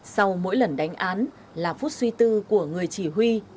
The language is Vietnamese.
sau mỗi lần đánh án là phút suy tư của người chỉ huy